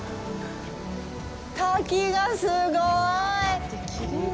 滝がすごーい。